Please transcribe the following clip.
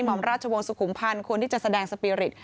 หมอมราชวงศ์สุขุมพันธ์ควรที่จะแสดงสปีริต